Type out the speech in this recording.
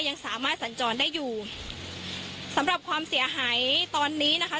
ยังสามารถสัญจรได้อยู่สำหรับความเสียหายตอนนี้นะคะ